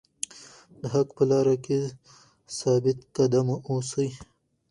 د حق په لاره کې ثابت قدم اوسئ.